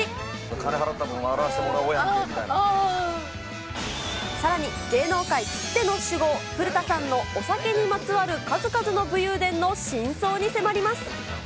金払った分、さらに芸能界きっての酒豪、古田さんのお酒にまつわる数々の武勇伝の真相に迫ります。